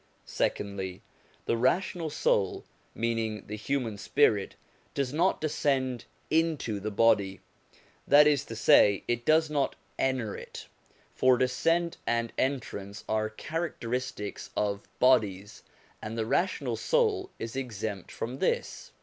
Secondly, the rational soul, meaning the human spirit, does not descend into the body ; that is to say, it does not enter it, for descent and entrance are characteristics of bodies, and the rational soul is exempt from this.